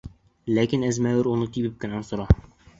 Ләкин әзмәүер уны тибеп кенә осора.